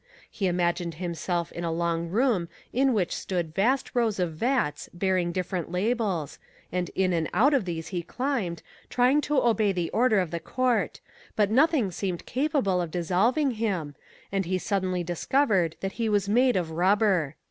He imagined himself in a long room in which stood vast rows of vats bearing different labels, and in and out of these he climbed, trying to obey the order of the court, but nothing seemed capable of dissolving him, and he suddenly discovered that he was made of rubber.